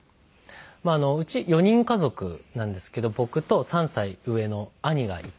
うち４人家族なんですけど僕と３歳上の兄がいて。